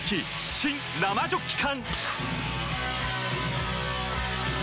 新・生ジョッキ缶！